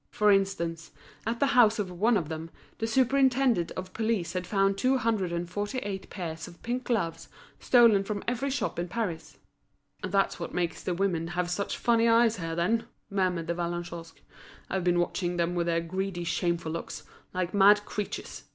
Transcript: For instance, at the house of one of them, the superintendent of police had found two hundred and forty eight pairs of pink gloves stolen from every shop in Paris. "That's what makes the women have such funny eyes here, then," murmured De Vallagnosc; "I've been watching them with their greedy, shameful looks, like mad creatures.